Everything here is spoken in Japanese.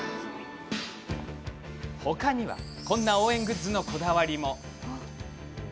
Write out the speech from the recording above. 他にはこんな応援グッズのこだわりも。